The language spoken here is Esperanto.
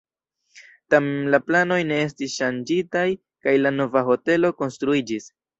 Tamen la planoj ne estis ŝanĝitaj kaj la nova hotelo konstruiĝis.